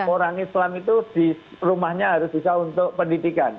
orang islam itu di rumahnya harus bisa untuk pendidikan